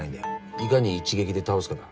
いかに一撃で倒すかだ。